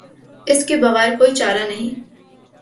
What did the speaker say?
اس کے بغیر کوئی چارہ نہیں۔